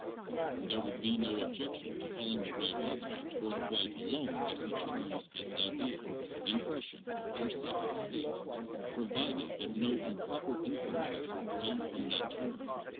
There would be no objection to calling the white object or the white alone by such terms as idea, impression, or psychic state, provided that no improper inferences were drawn from that term.